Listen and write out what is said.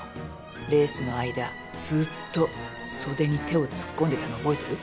レースの間ずっと袖に手を突っ込んでたの覚えてる？